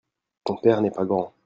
ton père n'est pa grand.